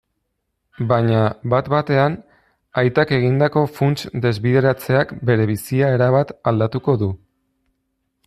Baina, bat-batean, aitak egindako funts-desbideratzeak bere bizia erabat aldatuko du.